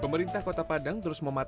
pemerintah kota padang terus memantau